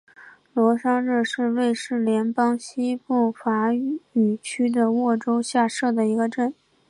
罗桑日是瑞士联邦西部法语区的沃州下设的一个镇。